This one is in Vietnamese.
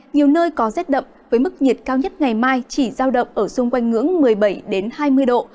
nhiều nơi có rét đậm với mức nhiệt cao nhất ngày mai chỉ giao động ở xung quanh ngưỡng một mươi bảy hai mươi độ